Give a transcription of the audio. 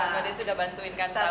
mbak desi sudah bantuin kan tahun